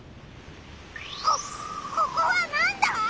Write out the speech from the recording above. こここはなんだ？